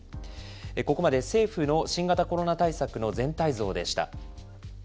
ここまで政府の新型コロナ対策の全体像でした。